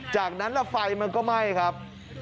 จากนั้นไฟมันก็ไหม้ครับ